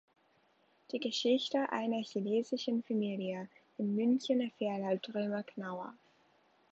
Die Geschichte einer chinesischen Familie" im Münchener Verlag Droemer Knaur.